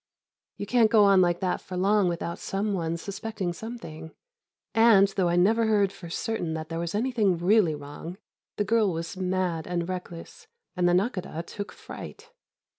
You can't go on like that for long without some one suspecting something, and, though I never heard for certain that there was anything really wrong, the girl was mad and reckless, and the Nakhôdah took fright.